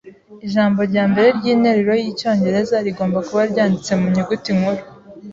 Ijambo ryambere ryinteruro yicyongereza rigomba kuba ryanditse mu nyuguti nkuru.